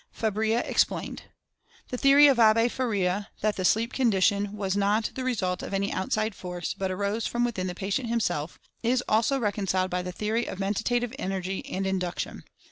FARIA EXPLAINED. The theory of Abbe Faria, that the "sleep" condition was not the result of any outside force, but arose from within the patient himself, is also reconciled by the theory of Mentative Energy and Induction.